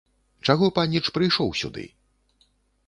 Чаго, паніч, прыйшоў сюды?